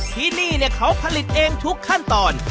ที่นี่เขาผลิตเองทุกขั้นตอน